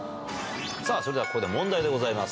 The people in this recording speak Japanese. さあ、それではここで問題でございます。